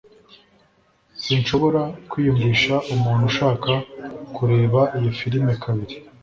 Sinshobora kwiyumvisha umuntu ushaka kureba iyo firime kabiri.